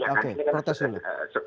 oke protes dulu